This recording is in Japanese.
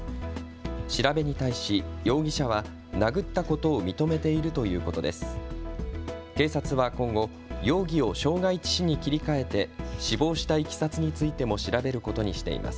調べに対し容疑者は殴ったことを認めているということです。